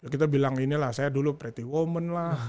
kita bilang ini lah saya dulu pretty woman lah